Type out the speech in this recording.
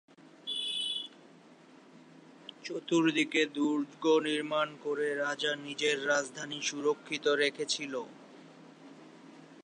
চতুর্দিকে দুর্গ নির্মাণ করে রাজা নিজের রাজধানী সুরক্ষিত রেখেছিল।